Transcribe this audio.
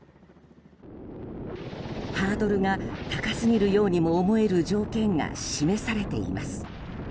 ハードルが高すぎるようにも思える条件が示されています。